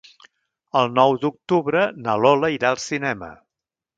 El nou d'octubre na Lola irà al cinema.